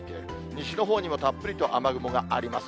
西のほうにもたっぷりと雨雲があります。